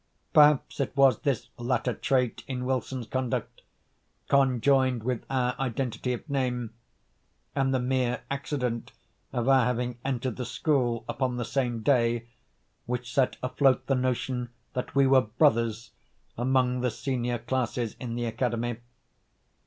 Perhaps it was this latter trait in Wilson's conduct, conjoined with our identity of name, and the mere accident of our having entered the school upon the same day, which set afloat the notion that we were brothers, among the senior classes in the academy.